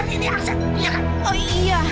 ini kan ini aksan